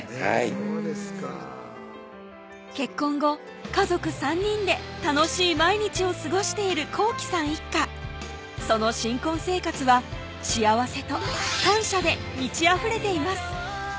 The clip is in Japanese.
そうですか結婚後家族３人で楽しい毎日を過ごしている幸木さん一家その新婚生活は幸せと感謝で満ちあふれています